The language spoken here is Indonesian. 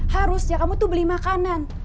harusnya kamu tuh beli makanan